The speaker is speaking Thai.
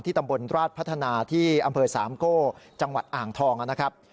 ตำบลราชพัฒนาที่อำเภอสามโก้จังหวัดอ่างทองนะครับ